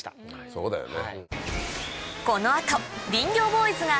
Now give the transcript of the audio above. そうだよね。